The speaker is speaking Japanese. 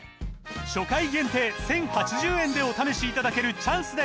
初回限定１，０８０円でお試しいただけるチャンスです